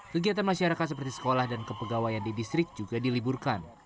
kegiatan masyarakat seperti sekolah dan kepegawaian di distrik juga diliburkan